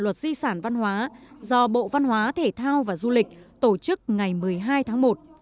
luật di sản văn hóa do bộ văn hóa thể thao và du lịch tổ chức ngày một mươi hai tháng một